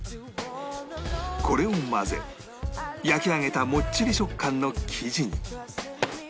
これを混ぜ焼き上げたもっちり食感の生地に